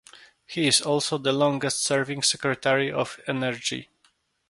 He is also the longest-serving Secretary of Energy.